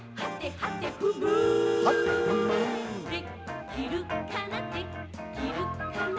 「でっきるかなでっきるかな」